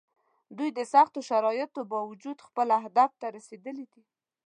دوی د سختو شرایطو باوجود خپل هدف ته رسېدلي دي.